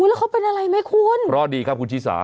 แล้วเขาเป็นอะไรไหมคุณเพราะดีครับคุณชิสา